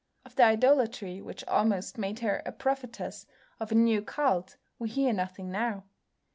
Of the idolatry which almost made her a prophetess of a new cult we hear nothing now.